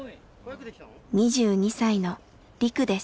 ２２歳のリクです。